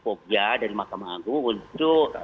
kogja mahkamah agung untuk